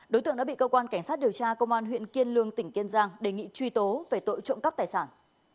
đối tượng đã bị cơ quan cảnh sát điều tra công an huyện kiên lương tỉnh kiên giang đề nghị truy tố về tội trộm cắp tài sản